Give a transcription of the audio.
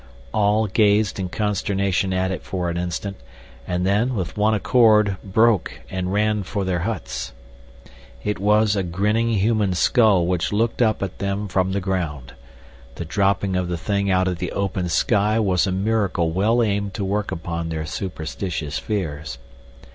All gazed in consternation at it for an instant, and then, with one accord, broke and ran for their huts. It was a grinning human skull which looked up at them from the ground. The dropping of the thing out of the open sky was a miracle well aimed to work upon their superstitious fears.